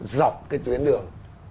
dọc cái tuyến đường